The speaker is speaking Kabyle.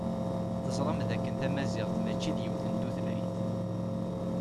Teẓram d akken Tamaziɣt mačči d yiwet n tutlayt.